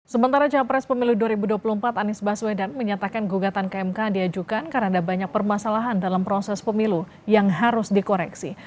sementara capres pemilu dua ribu dua puluh empat anies baswedan menyatakan gugatan kmk diajukan karena ada banyak permasalahan dalam proses pemilu yang harus dikoreksi